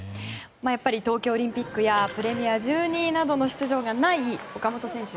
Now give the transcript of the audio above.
やっぱり東京オリンピックやプレミア１２などの出場がない岡本選手。